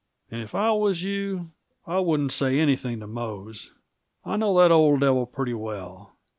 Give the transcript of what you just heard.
And if I was you, I wouldn't say anything to Mose I know that old devil pretty well.